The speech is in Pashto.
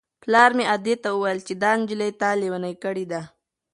پلار مې ادې ته وویل چې دا نجلۍ تا لېونۍ کړې ده.